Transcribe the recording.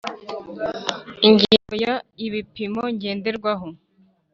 Ingingo ya Ibipimo ngenderwaho